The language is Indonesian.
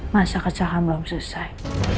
masa kerjakan belum selesai